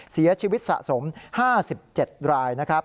เสียชีวิตสะสม๕๗ราย